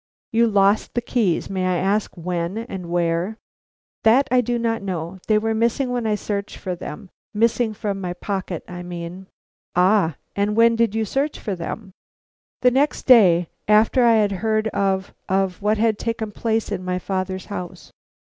"You lost the keys; may I ask when and where?" "That I do not know; they were missing when I searched for them; missing from my pocket, I mean." "Ah! and when did you search for them?" "The next day after I had heard of of what had taken place in my father's house."